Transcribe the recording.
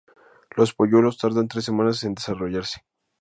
Los polluelos tardan tres semanas en desarrollarse.